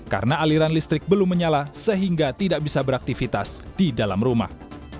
karena aliran listrik belum menyala sehingga tidak bisa beraktifitas di dalam rumah